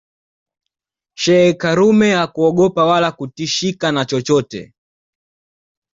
Sheikh karume hakuogopa wala kutishika na chochote